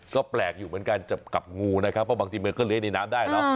ก็แปลกอยู่เหมือนกันกับงูนะครับเพราะบางทีมันก็เลี้ยในน้ำได้เนอะ